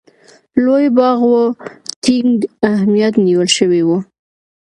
لوی باغ و، ټینګ امنیت نیول شوی و.